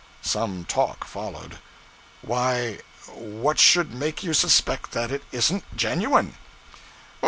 Some talk followed 'Why what should make you suspect that it isn't genuine?'